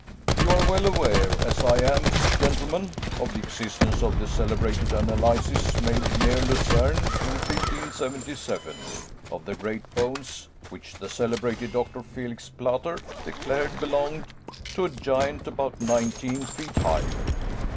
You are well aware as I am, gentlemen, of the existence of the celebrated analysis made near Lucerne, in 1577, of the great bones which the celebrated Doctor Felix Plater declared belonged to a giant about nineteen feet high.